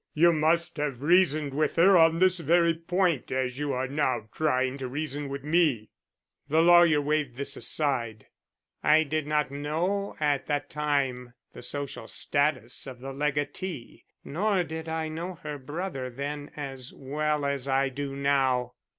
"You must have reasoned with her on this very point as you are now trying to reason with me?" The lawyer waved this aside. "I didn't know at that time the social status of the legatee; nor did I know her brother then as well as I do now."